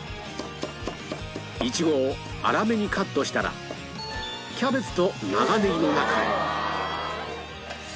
いちごを粗めにカットしたらキャベツと長ネギの中へ